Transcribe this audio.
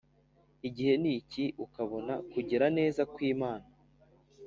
Igihe niki ukabona kugira neza kwimana